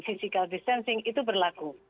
physical distancing itu berlaku